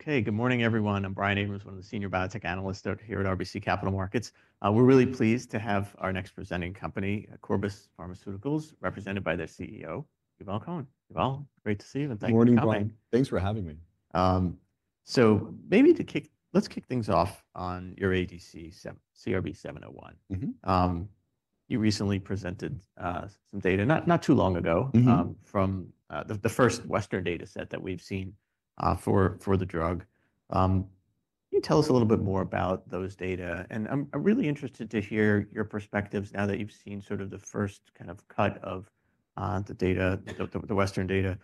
Okay, good morning, everyone. I'm Brian Abrahams, one of the senior biotech analysts here at RBC Capital Markets. We're really pleased to have our next presenting company, Corbus Pharmaceuticals, represented by their CEO, Yuval Cohen. Yuval, great to see you. Good morning, Brian. Thanks for having me. Maybe to kick, let's kick things off on your ADC CRB-701. You recently presented some data, not too long ago, from the first Western data set that we've seen for the drug. Can you tell us a little bit more about those data? I'm really interested to hear your perspectives now that you've seen sort of the first kind of cut of the data, the Western data,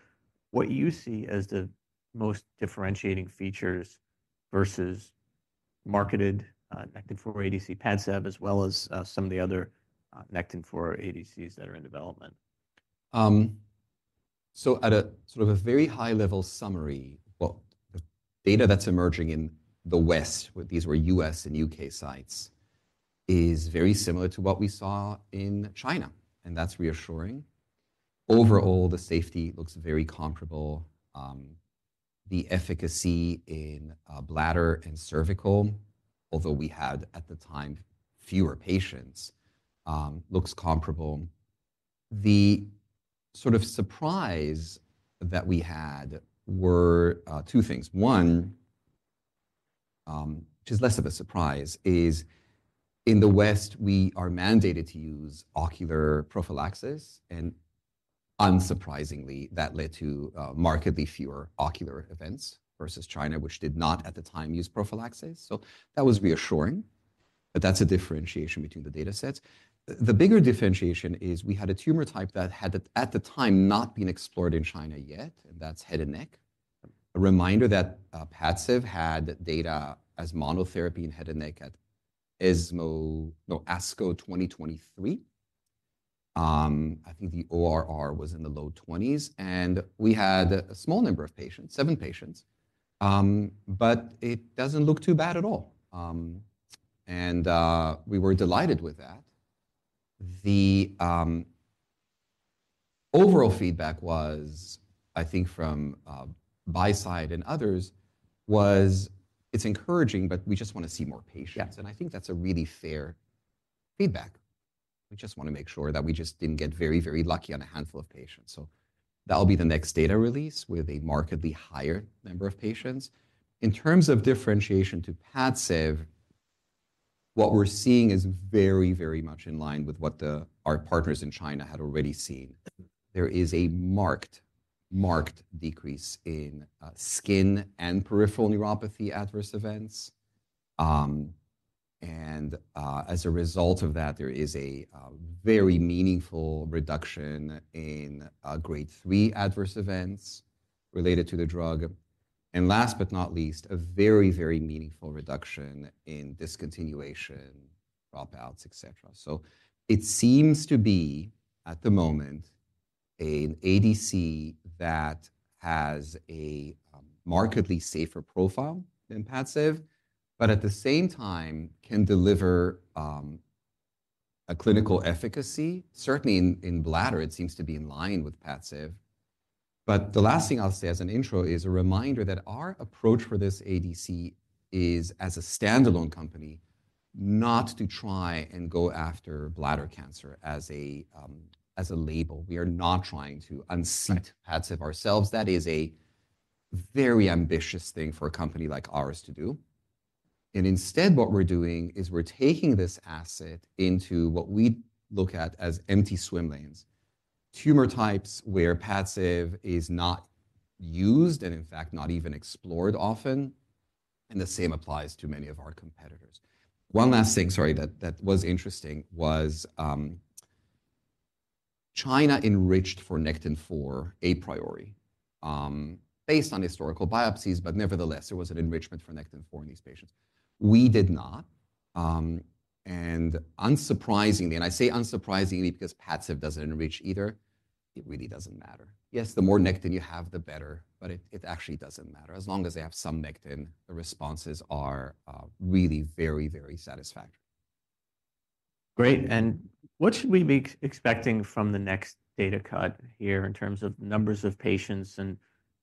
what you see as the most differentiating features versus marketed Nectin-4 ADC, Padcev, as well as some of the other Nectin-4 ADCs that are in development. At a sort of a very high-level summary, what the data that's emerging in the West, these were U.S. and U.K. sites, is very similar to what we saw in China. That is reassuring. Overall, the safety looks very comparable. The efficacy in bladder and cervical, although we had at the time fewer patients, looks comparable. The sort of surprise that we had were two things. One, which is less of a surprise, is in the West, we are mandated to use ocular prophylaxis. Unsurprisingly, that led to markedly fewer ocular events versus China, which did not at the time use prophylaxis. That was reassuring. That is a differentiation between the data sets. The bigger differentiation is we had a tumor type that had at the time not been explored in China yet, and that is head and neck. A reminder that PADCEV had data as monotherapy in head and neck at ESMO, no, ASCO 2023. I think the ORR was in the low 20s. We had a small number of patients, seven patients. It doesn't look too bad at all. We were delighted with that. The overall feedback was, I think, from Buyside and others, it's encouraging, but we just want to see more patients. I think that's a really fair feedback. We just want to make sure that we just didn't get very, very lucky on a handful of patients. That will be the next data release with a markedly higher number of patients. In terms of differentiation to PADCEV, what we're seeing is very, very much in line with what our partners in China had already seen. There is a marked, marked decrease in skin and peripheral neuropathy adverse events. As a result of that, there is a very meaningful reduction in grade 3 adverse events related to the drug. Last but not least, a very, very meaningful reduction in discontinuation, dropouts, et cetera. It seems to be, at the moment, an ADC that has a markedly safer profile than PADCEV, but at the same time can deliver a clinical efficacy. Certainly in bladder, it seems to be in line with PADCEV. The last thing I'll say as an intro is a reminder that our approach for this ADC is, as a standalone company, not to try and go after bladder cancer as a label. We are not trying to unseat PADCEV ourselves. That is a very ambitious thing for a company like ours to do. Instead, what we're doing is we're taking this asset into what we look at as empty swim lanes, tumor types where PADCEV is not used and, in fact, not even explored often. The same applies to many of our competitors. One last thing, sorry, that was interesting was China enriched for Nectin-4 a priori based on historical biopsies, but nevertheless, there was an enrichment for Nectin-4 in these patients. We did not. Unsurprisingly, and I say unsurprisingly because PADCEV does not enrich either, it really does not matter. Yes, the more Nectin you have, the better, but it actually does not matter. As long as they have some Nectin, the responses are really very, very satisfactory. Great. What should we be expecting from the next data cut here in terms of numbers of patients and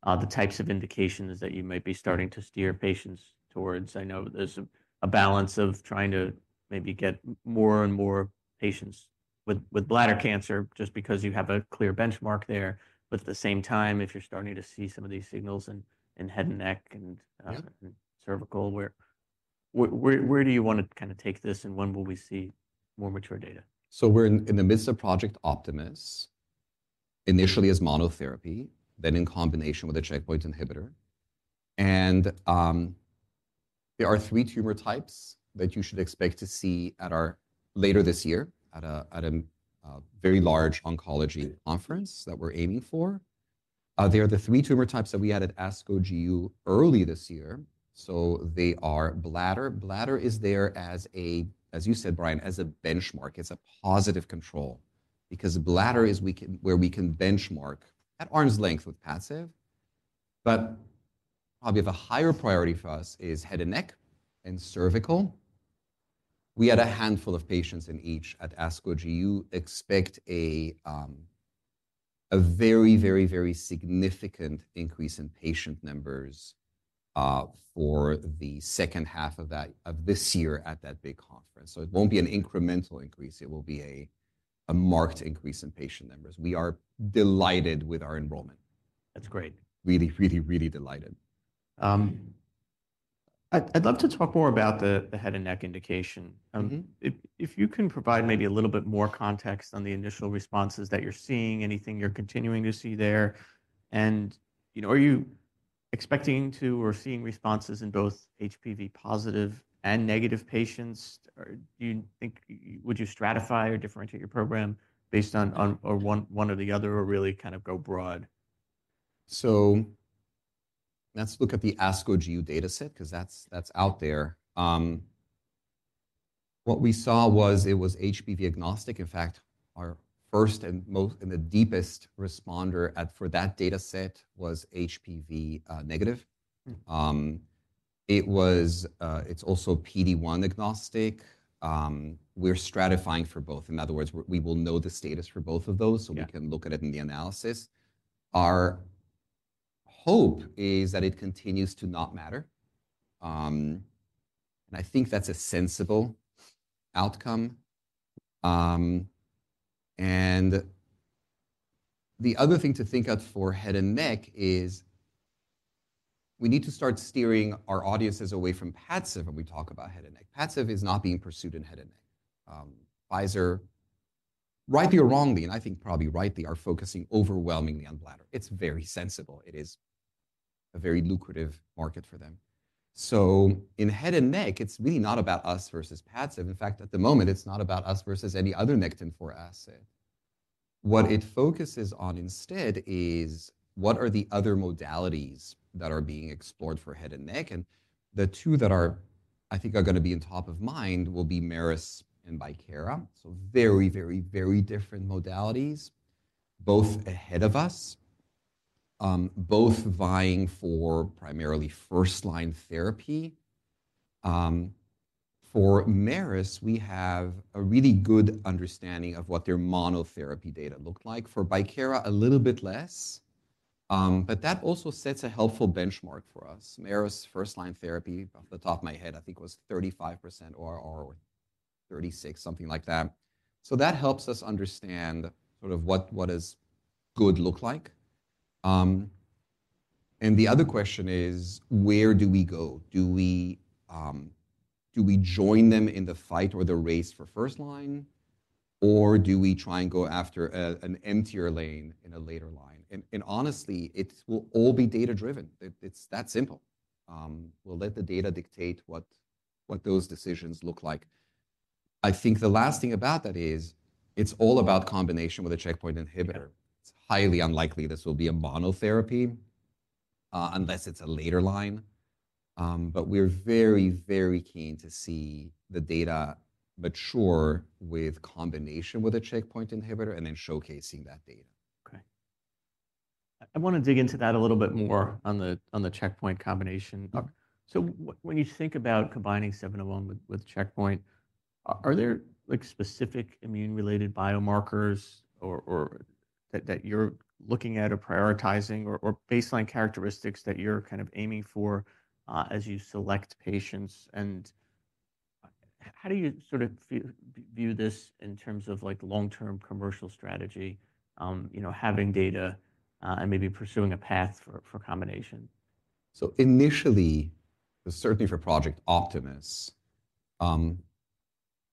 the types of indications that you might be starting to steer patients towards? I know there's a balance of trying to maybe get more and more patients with bladder cancer just because you have a clear benchmark there. At the same time, if you're starting to see some of these signals in head and neck and cervical, where do you want to kind of take this and when will we see more mature data? We're in the midst of Project Optimus, initially as monotherapy, then in combination with a checkpoint inhibitor. There are three tumor types that you should expect to see later this year at a very large oncology conference that we're aiming for. They are the three tumor types that we added at ASCO GU early this year. They are bladder. Bladder is there, as you said, Brian, as a benchmark. It's a positive control because bladder is where we can benchmark at arm's length with PADCEV. Probably of a higher priority for us is head and neck and cervical. We had a handful of patients in each at ASCO GU. Expect a very, very, very significant increase in patient numbers for the second half of this year at that big conference. It won't be an incremental increase. It will be a marked increase in patient numbers. We are delighted with our enrollment. That's great. Really, really delighted. I'd love to talk more about the head and neck indication. If you can provide maybe a little bit more context on the initial responses that you're seeing, anything you're continuing to see there. Are you expecting to or seeing responses in both HPV positive and negative patients? Would you stratify or differentiate your program based on one or the other or really kind of go broad? Let's look at the ASCO GU data set because that's out there. What we saw was it was HPV agnostic. In fact, our first and the deepest responder for that data set was HPV negative. It's also PD-1 agnostic. We're stratifying for both. In other words, we will know the status for both of those so we can look at it in the analysis. Our hope is that it continues to not matter. I think that's a sensible outcome. The other thing to think of for head and neck is we need to start steering our audiences away from PADCEV when we talk about head and neck. PADCEV is not being pursued in head and neck. Pfizer, rightly or wrongly, and I think probably rightly, are focusing overwhelmingly on bladder. It's very sensible. It is a very lucrative market for them. In head and neck, it's really not about us versus Padcev. In fact, at the moment, it's not about us versus any other Nectin-4 asset. What it focuses on instead is what are the other modalities that are being explored for head and neck. The two that I think are going to be top of mind will be Merus and Vikera. Very, very, very different modalities, both ahead of us, both vying for primarily first-line therapy. For Merus, we have a really good understanding of what their monotherapy data looked like. For Vikera, a little bit less. That also sets a helpful benchmark for us. Merus' first-line therapy, off the top of my head, I think was 35% ORR or 36%, something like that. That helps us understand sort of what does good look like. The other question is, where do we go? Do we join them in the fight or the race for first line, or do we try and go after an emptier lane in a later line? Honestly, it will all be data-driven. It's that simple. We'll let the data dictate what those decisions look like. I think the last thing about that is it's all about combination with a checkpoint inhibitor. It's highly unlikely this will be a monotherapy unless it's a later line. We're very, very keen to see the data mature with combination with a checkpoint inhibitor and then showcasing that data. Okay. I want to dig into that a little bit more on the checkpoint combination. When you think about combining 701 with checkpoint, are there specific immune-related biomarkers that you're looking at or prioritizing or baseline characteristics that you're kind of aiming for as you select patients? How do you sort of view this in terms of long-term commercial strategy, having data and maybe pursuing a path for combination? Initially, certainly for Project Optimus,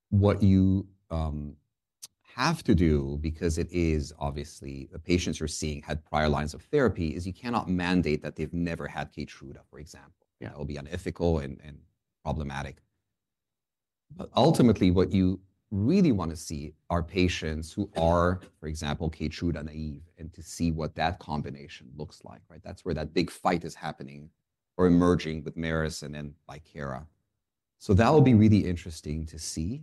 what you have to do, because it is obviously the patients you're seeing had prior lines of therapy, is you cannot mandate that they've never had Keytruda, for example. That will be unethical and problematic. Ultimately, what you really want to see are patients who are, for example, Keytruda naive and to see what that combination looks like. That's where that big fight is happening or emerging with Merus and then Vikera. That will be really interesting to see.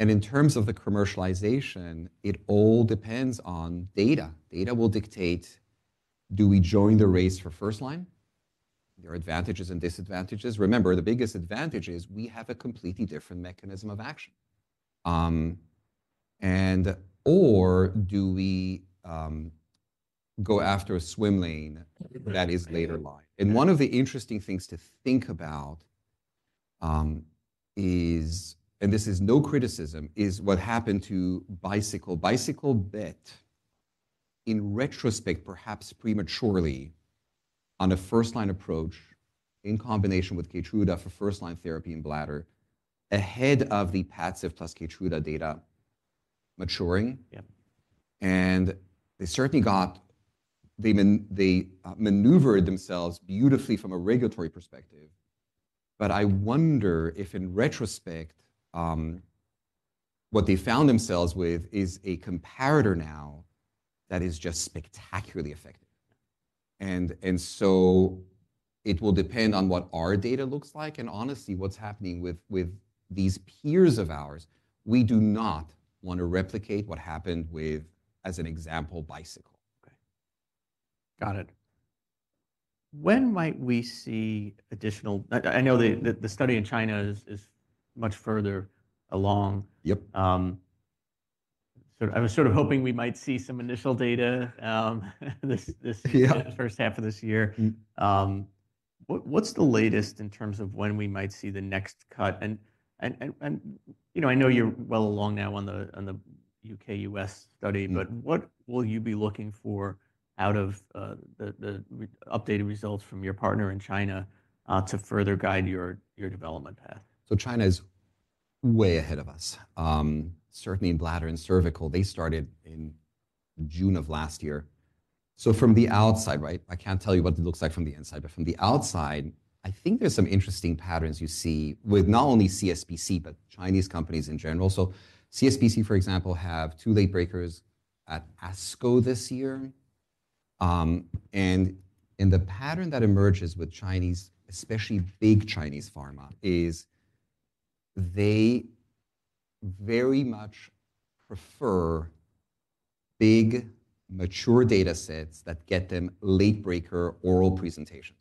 In terms of the commercialization, it all depends on data. Data will dictate, do we join the race for first line, their advantages and disadvantages? Remember, the biggest advantage is we have a completely different mechanism of action. And/or do we go after a swim lane that is later line? One of the interesting things to think about is, and this is no criticism, is what happened to Bicycle. In retrospect, perhaps prematurely, on a first-line approach in combination with Keytruda for first-line therapy in bladder, ahead of the PADCEV plus Keytruda data maturing. They certainly maneuvered themselves beautifully from a regulatory perspective. I wonder if in retrospect, what they found themselves with is a comparator now that is just spectacularly effective. It will depend on what our data looks like. Honestly, what's happening with these peers of ours, we do not want to replicate what happened with, as an example, Bicycle. Okay. Got it. When might we see additional—I know the study in China is much further along. I was sort of hoping we might see some initial data this first half of this year. What's the latest in terms of when we might see the next cut? I know you're well along now on the U.K.-U.S. study, but what will you be looking for out of the updated results from your partner in China to further guide your development path? China is way ahead of us. Certainly in bladder and cervical, they started in June of last year. From the outside, right, I can't tell you what it looks like from the inside. From the outside, I think there's some interesting patterns you see with not only CSPC, but Chinese companies in general. CSPC, for example, have two late breakers at ASCO this year. The pattern that emerges with Chinese, especially big Chinese pharma, is they very much prefer big mature data sets that get them late breaker oral presentations.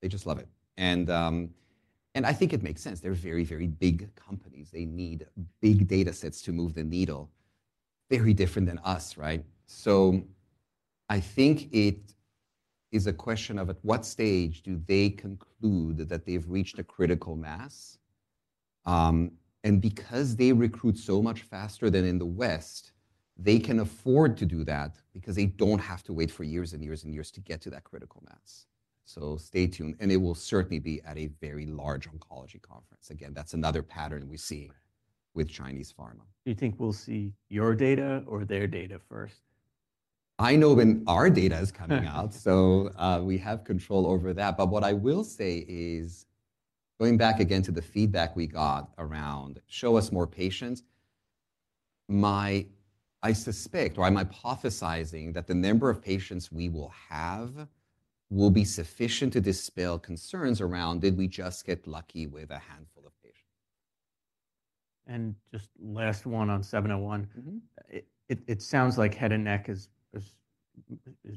They just love it. I think it makes sense. They're very, very big companies. They need big data sets to move the needle, very different than us, right? I think it is a question of at what stage do they conclude that they've reached a critical mass. Because they recruit so much faster than in the West, they can afford to do that because they do not have to wait for years and years and years to get to that critical mass. Stay tuned. It will certainly be at a very large oncology conference. Again, that is another pattern we see with Chinese pharma. Do you think we'll see your data or their data first? I know when our data is coming out, so we have control over that. What I will say is, going back again to the feedback we got around, show us more patients, I suspect, or I'm hypothesizing that the number of patients we will have will be sufficient to dispel concerns around, did we just get lucky with a handful of patients? Just last one on 701. It sounds like head and neck is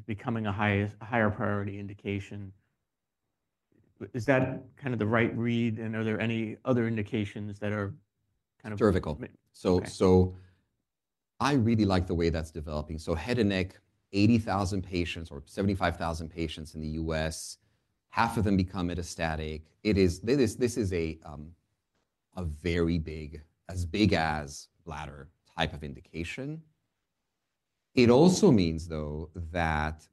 becoming a higher priority indication. Is that kind of the right read? Are there any other indications that are kind of? Cervical. I really like the way that's developing. Head and neck, 80,000 patients or 75,000 patients in the U.S., half of them become metastatic. This is a very big, as big as bladder type of indication. It also means, though, that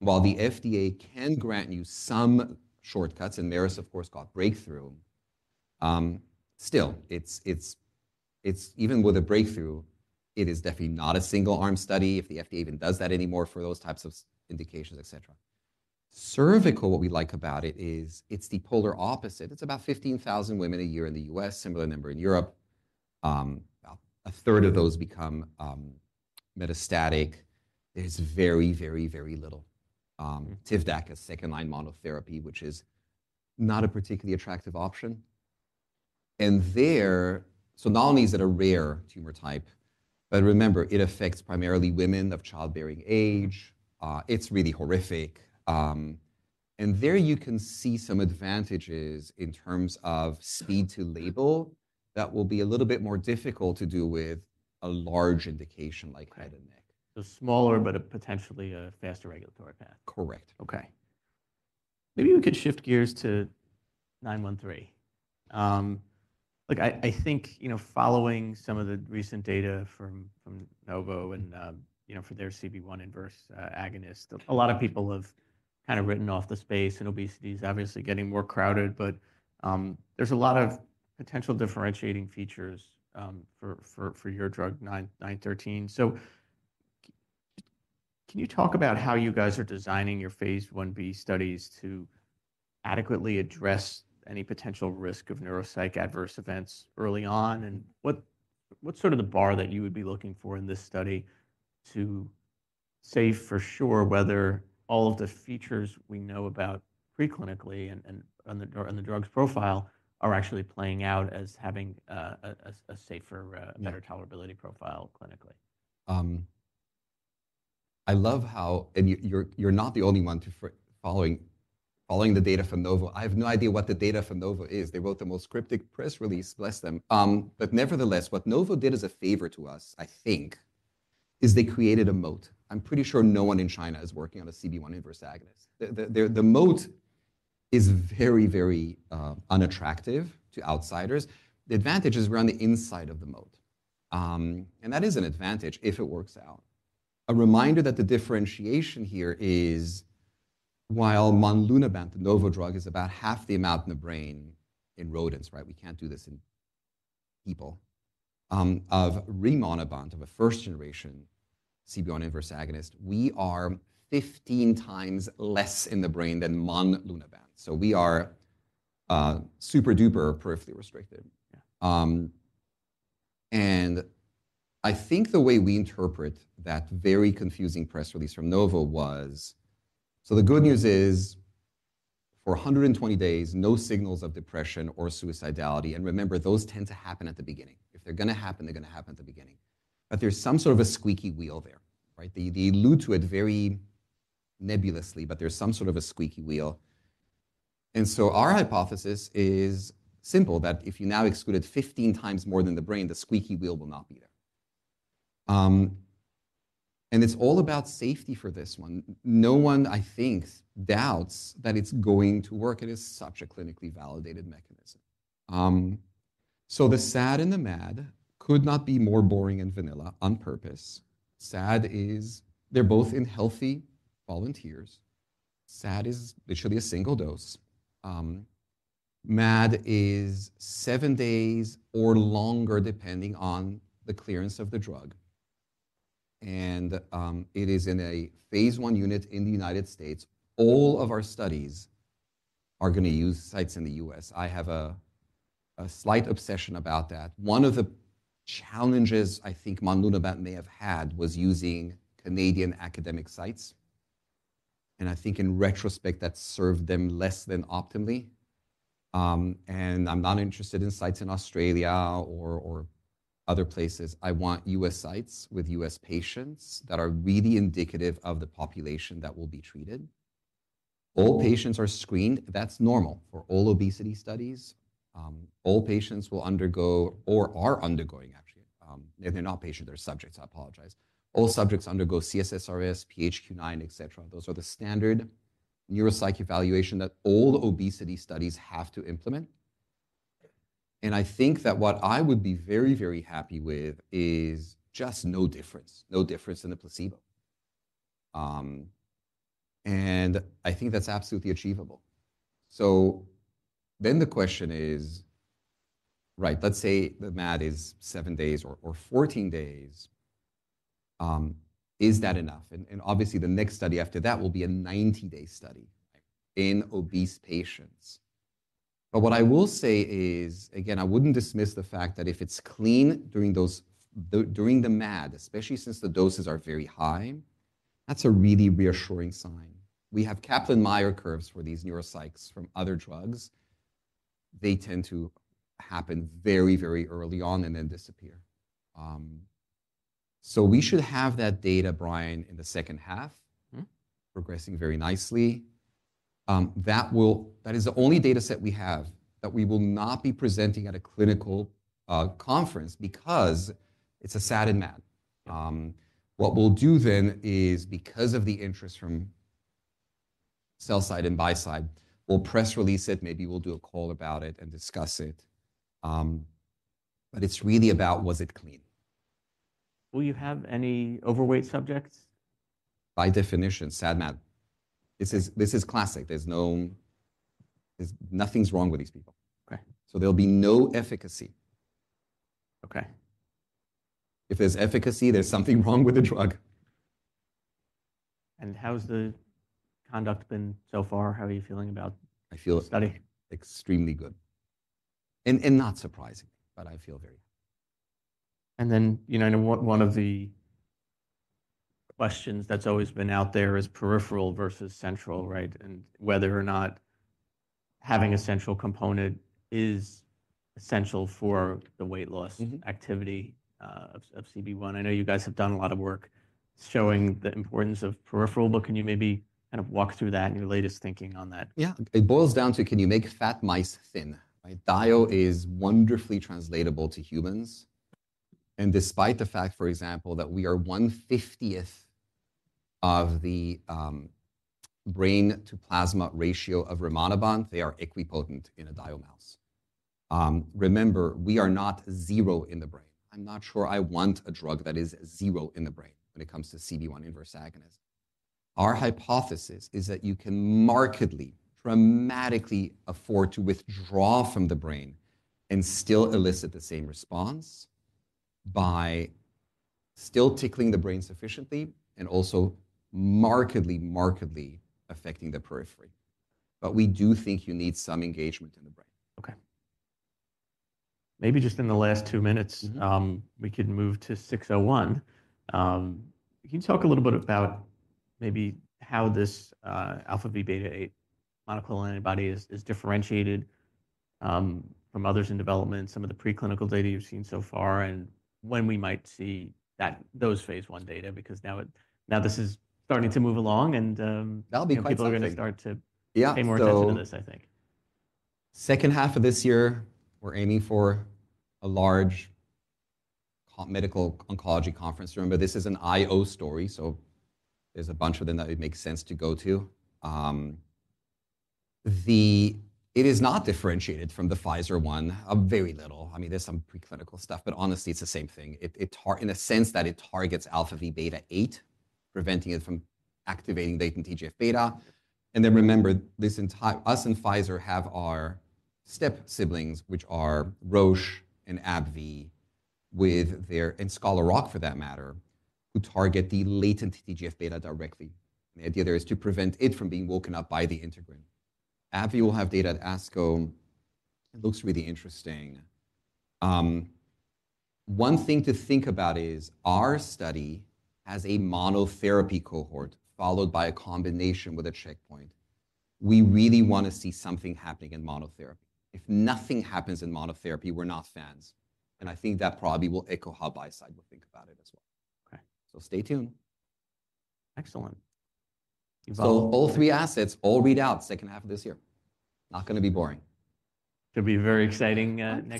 while the FDA can grant you some shortcuts and Merus, of course, got breakthrough, still, even with a breakthrough, it is definitely not a single-arm study if the FDA even does that anymore for those types of indications, et cetera. Cervical, what we like about it is it's the polar opposite. It's about 15,000 women a year in the U.S., similar number in Europe. About a third of those become metastatic. There's very, very, very little. Tivdak is second-line monotherapy, which is not a particularly attractive option. There, not only is it a rare tumor type, but remember, it affects primarily women of childbearing age. It's really horrific. There you can see some advantages in terms of speed to label that will be a little bit more difficult to do with a large indication like head and neck. Smaller, but potentially a faster regulatory path. Correct. Okay. Maybe we could shift gears to 913. I think following some of the recent data from Novo and for their CB1 inverse agonist, a lot of people have kind of written off the space. Obesity is obviously getting more crowded. There is a lot of potential differentiating features for your drug, 913. Can you talk about how you guys are designing your phase 1B studies to adequately address any potential risk of neuropsych adverse events early on? What is sort of the bar that you would be looking for in this study to say for sure whether all of the features we know about preclinically and on the drug's profile are actually playing out as having a safer, better tolerability profile clinically? I love how, and you're not the only one following the data from Novo. I have no idea what the data from Novo is. They wrote the most cryptic press release, bless them. Nevertheless, what Novo did as a favor to us, I think, is they created a moat. I'm pretty sure no one in China is working on a CB1 inverse agonist. The moat is very, very unattractive to outsiders. The advantage is we're on the inside of the moat. That is an advantage if it works out. A reminder that the differentiation here is, while monlunabant, the Novo drug, is about half the amount in the brain in rodents, right? We can't do this in people, of rimonabant, of a first-generation CB1 inverse agonist, we are 15 times less in the brain than monlunabant. We are super duper peripherally restricted. I think the way we interpret that very confusing press release from Novo was, the good news is for 120 days, no signals of depression or suicidality. Remember, those tend to happen at the beginning. If they're going to happen, they're going to happen at the beginning. There's some sort of a squeaky wheel there, right? They allude to it very nebulously, but there's some sort of a squeaky wheel. Our hypothesis is simple, that if you now excluded 15 times more than the brain, the squeaky wheel will not be there. It's all about safety for this one. No one, I think, doubts that it's going to work. It is such a clinically validated mechanism. The SAD and the MAD could not be more boring and vanilla on purpose. SAD is they're both in healthy volunteers. SAD is literally a single dose. MAD is seven days or longer, depending on the clearance of the drug. It is in a phase one unit in the U.S. All of our studies are going to use sites in the U.S. I have a slight obsession about that. One of the challenges I think monlunabant may have had was using Canadian academic sites. I think in retrospect, that served them less than optimally. I'm not interested in sites in Australia or other places. I want U.S. sites with U.S. patients that are really indicative of the population that will be treated. All patients are screened. That's normal for all obesity studies. All patients will undergo or are undergoing, actually. They're not patients. They're subjects. I apologize. All subjects undergo CSSRS, PHQ-9, et cetera. Those are the standard neuropsych evaluation that all obesity studies have to implement. I think that what I would be very, very happy with is just no difference, no difference in the placebo. I think that's absolutely achievable. The question is, right, let's say the MAD is seven days or 14 days. Is that enough? Obviously, the next study after that will be a 90-day study in obese patients. What I will say is, again, I wouldn't dismiss the fact that if it's clean during the MAD, especially since the doses are very high, that's a really reassuring sign. We have Kaplan-Meier curves for these neuropsychs from other drugs. They tend to happen very, very early on and then disappear. We should have that data, Brian, in the second half, progressing very nicely. That is the only data set we have that we will not be presenting at a clinical conference because it's a SAD and MAD. What we'll do then is, because of the interest from sell side and buy side, we'll press release it. Maybe we'll do a call about it and discuss it. It is really about was it clean? Will you have any overweight subjects? By definition, SAD, MAD. This is classic. Nothing's wrong with these people. So there'll be no efficacy. If there's efficacy, there's something wrong with the drug. How's the conduct been so far? How are you feeling about the study? I feel extremely good. Not surprising, but I feel very good. One of the questions that's always been out there is peripheral versus central, right? And whether or not having a central component is essential for the weight loss activity of CB1. I know you guys have done a lot of work showing the importance of peripheral, but can you maybe kind of walk through that and your latest thinking on that? Yeah. It boils down to can you make fat mice thin? Dial is wonderfully translatable to humans. Despite the fact, for example, that we are one-fiftieth of the brain-to-plasma ratio of rimonabant, they are equipotent in a dial mouse. Remember, we are not zero in the brain. I'm not sure I want a drug that is zero in the brain when it comes to CB1 inverse agonist. Our hypothesis is that you can markedly, dramatically afford to withdraw from the brain and still elicit the same response by still tickling the brain sufficiently and also markedly, markedly affecting the periphery. We do think you need some engagement in the brain. Okay. Maybe just in the last two minutes, we can move to 601. Can you talk a little bit about maybe how this alpha V beta 8 monoclonal antibody is differentiated from others in development, some of the preclinical data you've seen so far, and when we might see those phase one data? Because now this is starting to move along and people are going to start to pay more attention to this, I think. Second half of this year, we're aiming for a large medical oncology conference. Remember, this is an IO story. So there's a bunch of them that it makes sense to go to. It is not differentiated from the Pfizer one, very little. I mean, there's some preclinical stuff, but honestly, it's the same thing. In a sense that it targets alpha V beta 8, preventing it from activating latent TGF-beta. And then remember, us and Pfizer have our step siblings, which are Roche and AbbVie and Scholar Rock, for that matter, who target the latent TGF-beta directly. The idea there is to prevent it from being woken up by the integrin. AbbVie will have data at ASCO. It looks really interesting. One thing to think about is our study has a monotherapy cohort followed by a combination with a checkpoint. We really want to see something happening in monotherapy. If nothing happens in monotherapy, we're not fans. I think that probably will echo how buy side will think about it as well. Stay tuned. Excellent. All three assets, all readouts, second half of this year. Not going to be boring. It'll be very exciting next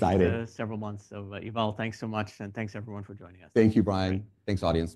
several months. Excited. Yuval, thanks so much. Thanks everyone for joining us. Thank you, Brian. Thanks, audience.